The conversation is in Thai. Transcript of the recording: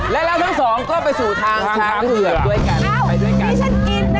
แล้วทั้งสองก็ไปสู่ทางช้างเผือกด้วยกัน